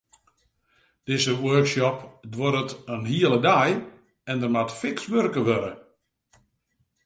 Dizze workshop duorret in hiele dei en der moat fiks wurke wurde.